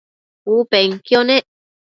U penquio nec